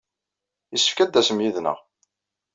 Yessefk ad d-tasem yid-neɣ.